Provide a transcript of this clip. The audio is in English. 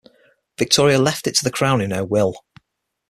Victoria left it to the Crown in her will.